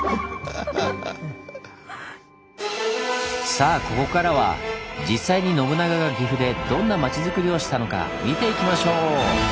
さあここからは実際に信長が岐阜でどんな町づくりをしたのか見ていきましょう！